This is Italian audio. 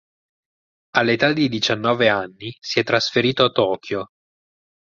All'età di diciannove anni si è trasferito a Tokyo.